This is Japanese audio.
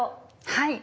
はい。